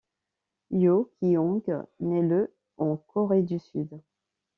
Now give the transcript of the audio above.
Yoo Ki-hong naît le en Corée du Sud.